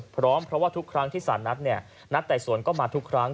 พร้อมเพราะว่าทุกครั้งที่สารนัดนัดไต่สวนก็มาทุกครั้ง